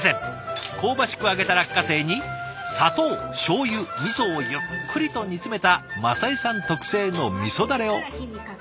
香ばしく揚げた落花生に砂糖しょうゆみそをゆっくりと煮詰めた政江さん特製のみそだれを。